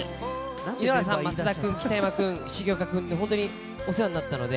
井ノ原さん、増田君、北山君、重岡君に本当にお世話になったので。